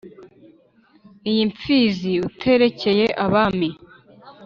Iyi mfizi uterekeye abami